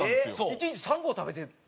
１日３合食べてるの？